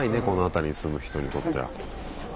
この辺りに住む人にとっては。